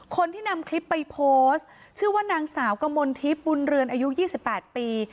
คนที่นำคลิปไปโพสต์ชื่อว่านางสามกะมนทิปอายุ๒๘ปี